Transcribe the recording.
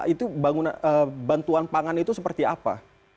itu bantuan pangan itu seperti apa